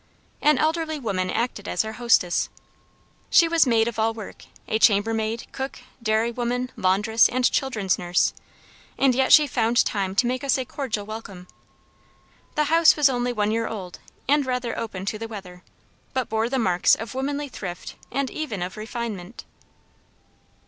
An elderly woman acted as our hostess. She was maid of all work, a chamber maid, cook, dairy woman, laundress, and children's nurse; and yet she found time to make us a cordial welcome. The house was only one year old, and rather open to the weather, but bore the marks of womanly thrift and even of refinement.